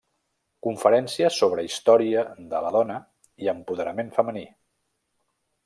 Conferències sobre Història de la Dona i empoderament femení.